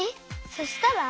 そしたら？